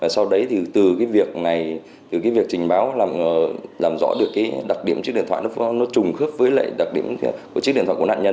sau đấy từ việc trình báo làm rõ được đặc điểm chiếc điện thoại trùng khớp với đặc điểm chiếc điện thoại của nạn nhân